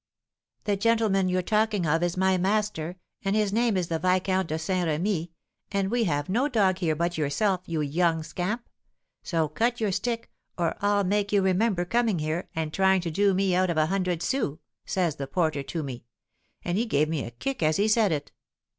'The gentleman you're talking of is my master, and his name is the Viscount de St. Remy, and we have no dog here but yourself, you young scamp; so "cut your stick," or I'll make you remember coming here, and trying to do me out of a hundred sous,' says the porter to me; and he gave me a kick as he said it.